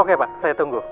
oke pak saya tunggu